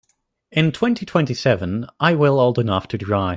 In twenty-twenty-seven I will old enough to drive.